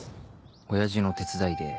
親父の手伝いで